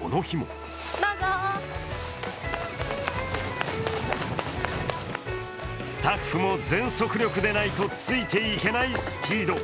この日もスタッフも全速力でないとついていけないスピード。